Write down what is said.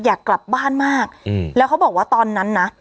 อยากกลับบ้านมากอืมแล้วเขาบอกว่าตอนนั้นนะ